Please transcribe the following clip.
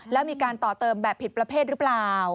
แล้วมีการต่อเติมแบบผิดประเภทหรือเปล่า